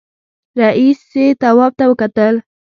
رئيسې تواب ته وکتل.